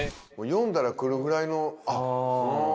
呼んだら来るぐらいのあっあ。